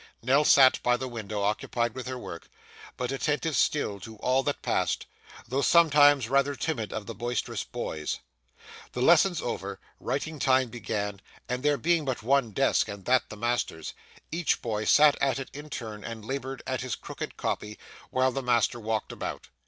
Nell sat by the window occupied with her work, but attentive still to all that passed, though sometimes rather timid of the boisterous boys. The lessons over, writing time began; and there being but one desk and that the master's, each boy sat at it in turn and laboured at his crooked copy, while the master walked about.